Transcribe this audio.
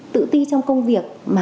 tự ti trong công việc